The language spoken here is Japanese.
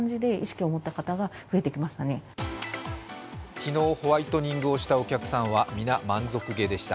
昨日、ホワイトニングをしたお客さんは皆、満足げでした。